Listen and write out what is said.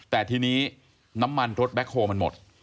แต่ทีนี้น้ำมันรถแบ็คโฮลมันหมด